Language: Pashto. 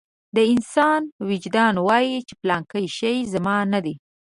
د انسان وجدان وايي چې پلانکی شی زما نه دی.